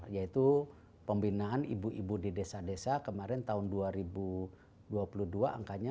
yaitu pembinaan ibu ibu di desa desa kemarin tahun dua ribu dua puluh dua angkanya